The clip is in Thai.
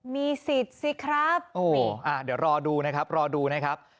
มีสิทธิ์สิครับเดี๋ยวรอดูนะครับรอดูนะครับ